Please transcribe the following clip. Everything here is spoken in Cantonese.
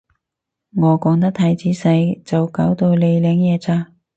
我講得太仔細就搞到你領嘢咋